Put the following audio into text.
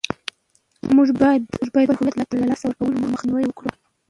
موږ باید د خپل هویت له لاسه ورکولو مخنیوی وکړو.